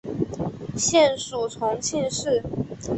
现属重庆市。